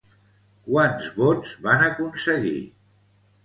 Quants vots van aconseguir?